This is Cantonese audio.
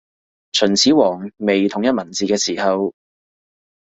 秦始皇未統一文字嘅時候